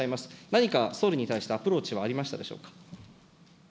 何か総理に対してアプローチはありましたでしょうか。